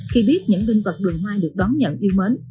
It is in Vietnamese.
khi biết những linh vật đường hoa được đón nhận yêu mến